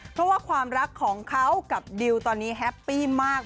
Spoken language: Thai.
เพราะว่าความรักของเขากับดิวตอนนี้แฮปปี้มาก